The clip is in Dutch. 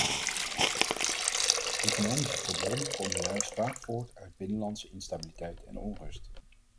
Economische problemen komen juist vaak voort uit binnenlandse instabiliteit en onrust.